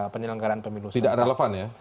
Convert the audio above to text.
penyelenggaran pemilu tidak relevan ya